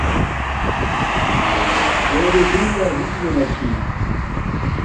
لیڈی فنگر ہنزو نا چھی